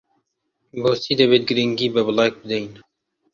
بۆچی دەبێت گرنگی بە بڵاگ بدەین؟